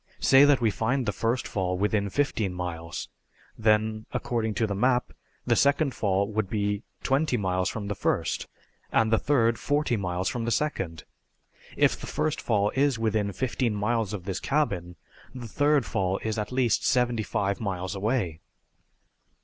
Say that we find the first fall within fifteen miles. Then, according to the map, the second fall would be about twenty miles from the first, and the third forty miles from the second. If the first fall is within fifteen miles of this cabin the third fall is at least seventy five miles away."